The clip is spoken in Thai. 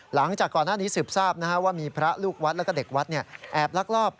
หลังจากก่อนหน้านี้สืบทราบว่ามีพระลูกวัดแล้วก็เด็กวัดแอบลักลอบ